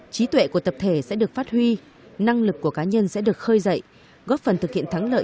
trí tuệ của tập thể sẽ được phát huy năng lực của cá nhân sẽ được khơi dậy góp phần thực hiện thắng lợi